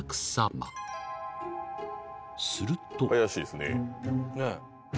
［すると］